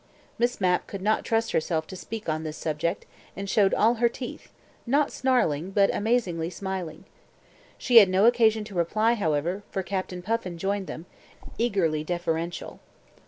Miss Mapp could not trust herself to speak on this subject, and showed all her teeth, not snarling but amazingly smiling. She had no occasion to reply, however, for Captain Puffin joined them, eagerly deferential.